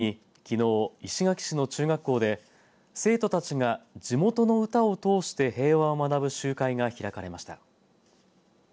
慰霊の日を前にきのう石垣市の中学校で生徒たちが地元の歌を通して平和を学ぶ集会が開かれました。